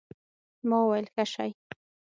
ما وويل ښه شى.